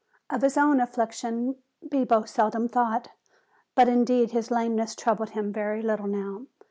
Of his own affliction Bibo seldom thought, but indeed his lameness troubled him very little now.